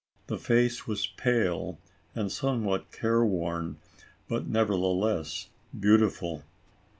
The face was pale and somewhat careworn, but, neverthe less, beautiful.